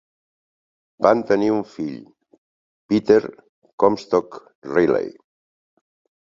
Van tenir un fill, Peter Comstock Riley.